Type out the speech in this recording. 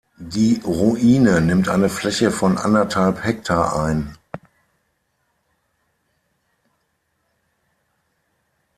Die Ruine nimmt eine Fläche von anderthalb Hektar ein.